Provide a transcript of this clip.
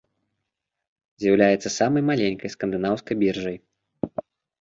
З'яўляецца самай маленькай скандынаўскай біржай.